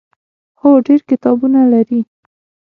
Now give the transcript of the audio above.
هو، ډیر کتابونه لري